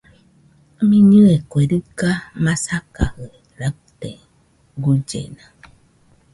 Mɨnɨe kue riga masakajɨ raɨte, guillena